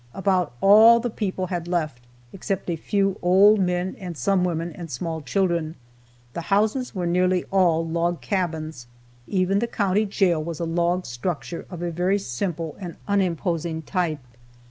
About all the people had left, except a few old men and some women and small children. The houses were nearly all log cabins. Even the county jail was a log structure of a very simply and unimposing type.